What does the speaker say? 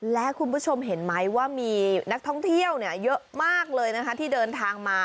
และคุณผู้ชมเห็นไหมว่ามีนักท่องเที่ยวเยอะมากเลยนะคะที่เดินทางมา